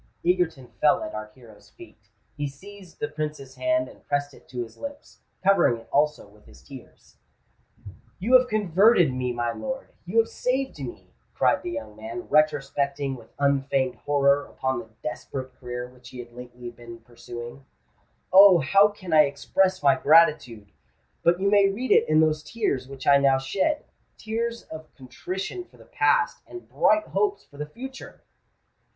Egerton fell at our hero's feet: he seized the Prince's hand, and pressed it to his lips—covering it also with his tears. "You have converted me, my lord—you have saved me!" cried the young man, retrospecting with unfeigned horror upon the desperate career which he had lately been pursuing: "Oh! how can I express my gratitude? But you may read it in those tears which I now shed—tears of contrition for the past, and bright hopes for the future!"